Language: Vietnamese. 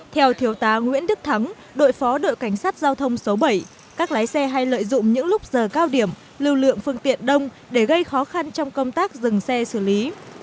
theo thiếu tá nguyễn đức thắng đội phó đội cảnh sát giao thông số bảy các lái xe hay lợi dụng những lúc giờ cao điểm lưu lượng phương tiện đông để gây khó khăn trong công tác dừng xe xử lý